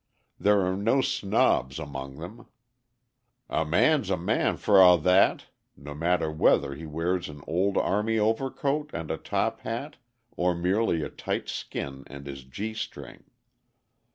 There are no snobs among them. "A man's a man for a' that," no matter whether he wears an old army overcoat and a top hat or merely a tight skin and his gee string.